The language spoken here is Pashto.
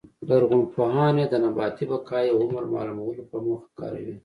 لرغونپوهان یې د نباتي بقایاوو عمر معلومولو په موخه کاروي